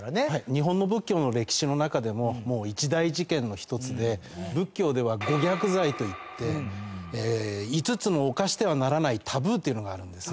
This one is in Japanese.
日本の仏教の歴史の中でも一大事件の一つで仏教では五逆罪といって５つの犯してはならないタブーっていうのがあるんです。